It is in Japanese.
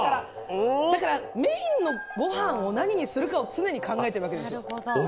メインのごはんをどれにするかを常に考えてるわけですよ。